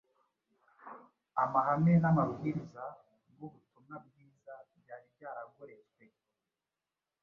Amahame n’amabwiriza bw’ubutumwa bwiza byari byaragoretswe.